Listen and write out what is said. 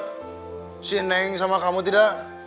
kemon si neng sama kamu tidak